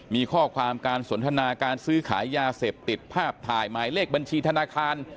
มีข้อความการสนทนาการซื้อขายยาเสพติดภาพถ่ายหมายเลขบัญชีธนาคาร